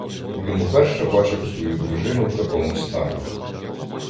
Він уперше бачив свою дружину в такому стані.